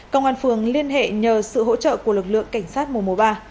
công an phường liên hệ nhờ sự hỗ trợ của lực lượng cảnh sát mô mố ba